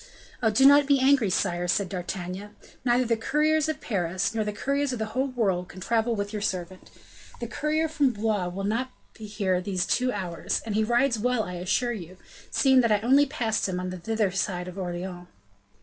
"Oh! do not be angry, sire," said D'Artagnan; "neither the couriers of Paris, nor the couriers of the whole world, can travel with your servant; the courier from Blois will not be here these two hours, and he rides well, I assure you, seeing that I only passed him on the thither side of Orleans."